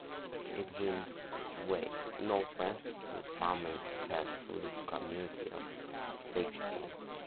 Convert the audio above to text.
It winds its way northwest through farmland to pass through the community of Statesville.